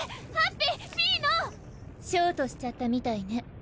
ショートしちゃったみたいね。